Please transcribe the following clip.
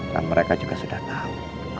dan mereka juga sudah tahu